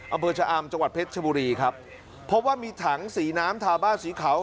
อำเภอชะอำจังหวัดเพชรชบุรีครับพบว่ามีถังสีน้ำทาบ้าสีขาว